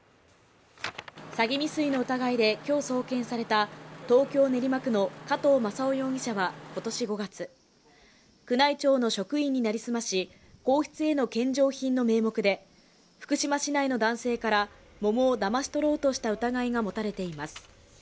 詐欺未遂の疑いで今日送検された東京・練馬区の加藤正夫容疑者は今年５月、宮内庁の職員に成り済まし、皇室への献上品の名目で福島市内の男性から桃をだまし取ろうとした疑いが持たれています。